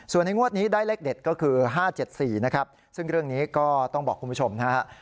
ส่วนในงวดนี้ได้เลขเด็ดก็คือ๕๗๔นะครับซึ่งเรื่องนี้ก็ต้องบอกคุณผู้ชมนะฮะ